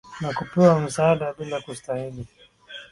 na kupewa misaada bila kustahili